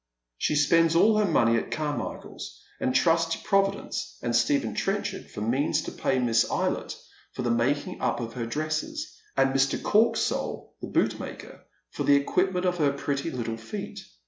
Slie spends all her money at Carniicliaers, and tinsts to Providence and Stephen Tienchard for means to pay Miss Eylett for the making up of her dresses, and Mr. Korksoll, the bootmaker, for the equipment of her pretty little feet.